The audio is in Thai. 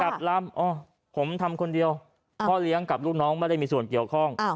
กลับลำอ๋อผมทำคนเดียวพ่อเลี้ยงกับลูกน้องไม่ได้มีส่วนเกี่ยวข้อง